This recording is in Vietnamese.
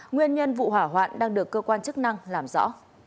nguyên nhân vụ hỏa hoạn đang được cơ quan chức năng làm rõ